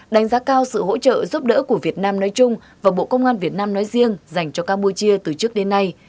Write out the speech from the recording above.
đánh giá cao sự hỗ trợ giúp đỡ của việt nam nói chung và bộ công an việt nam nói riêng dành cho campuchia từ trước đến nay